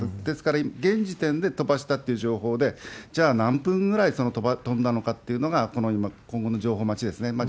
ですから、現時点で飛ばしたって情報で、じゃあ、何分ぐらい飛んだのかっていうのが、この今、今後の情報待ちですね。